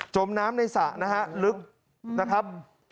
มน้ำในสระนะฮะลึกนะครับ